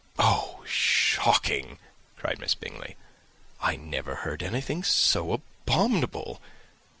"Oh, shocking!" cried Miss Bingley. "I never heard anything so abominable.